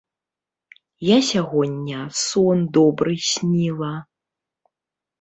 Я сягоння сон добры сніла.